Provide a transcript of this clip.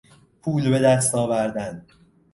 پول به دست آوردن